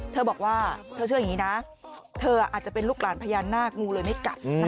เธอบอกว่าเธอเชื่ออย่างนี้นะเธออาจจะเป็นลูกหลานพญานาคงูเลยไม่กัด